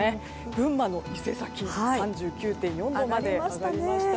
群馬の伊勢崎３９．４度まで上がりました。